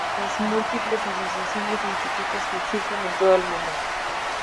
Sin contar con las múltiples asociaciones e institutos que existen en todo el mundo.